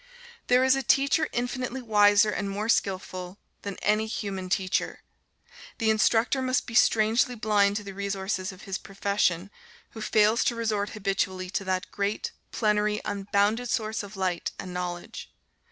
There is a Teacher infinitely wiser and more skilful than any human teacher. The instructor must be strangely blind to the resources of his profession, who fails to resort habitually to that great, plenary, unbounded source of light and knowledge.